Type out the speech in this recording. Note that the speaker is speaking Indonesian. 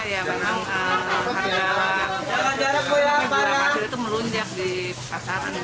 ya memang harga gula pasir itu melunjak di pasaran